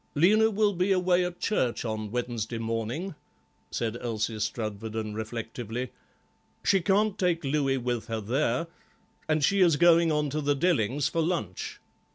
"Lena will be away at church on Wednesday morning," said Elsie Strudwarden reflectively; "she can't take Louis with her there, and she is going on to the Dellings for lunch.